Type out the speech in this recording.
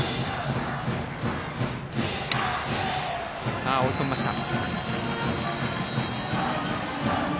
さあ、追い込みました。